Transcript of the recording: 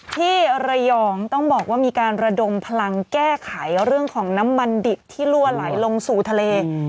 ที่ระยองต้องบอกว่ามีการระดมพลังแก้ไขเรื่องของน้ำมันดิบที่ลั่วไหลลงสู่ทะเล